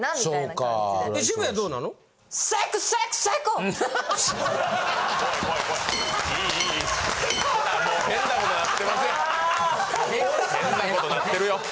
変なことなってるよ。